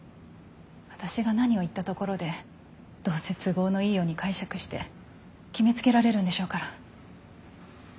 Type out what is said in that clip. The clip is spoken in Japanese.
私が何を言ったところでどうせ都合のいいように解釈して決めつけられるんでしょうから。